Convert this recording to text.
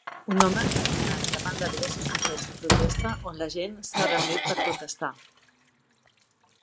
Un home camina davant de diversos cartells de protesta on la gent s'ha reunit per protestar.